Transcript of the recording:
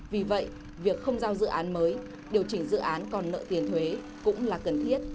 vì vậy việc không giao dự án mới điều chỉnh dự án còn nợ tiền thuế cũng là cần thiết